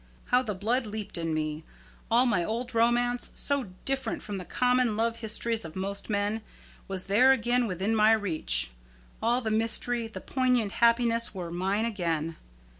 How the blood leaped in me! All my old romance, so different from the common love histories of most men, was there again within my reach! All the mystery, the poignant happiness were mine again.